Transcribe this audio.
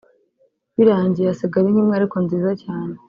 Birangiye hasigara inka imwe ariko nziza cyane